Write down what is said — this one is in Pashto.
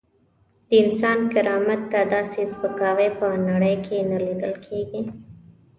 د انسان کرامت ته داسې سپکاوی په نړۍ کې نه لیدل کېږي.